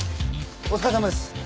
お疲れさまです。